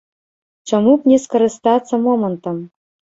Чаму б не скарыстацца момантам?